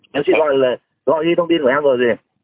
nếu chị gọi đi gọi đi thông tin của em rồi thì